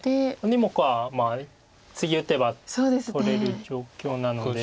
２目は次打てば取れる状況なので。